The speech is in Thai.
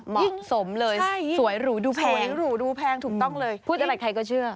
ยิ่งสมเลยสวยหรูดูแพงถูกต้องเลยพูดอะไรใครก็เชื่อ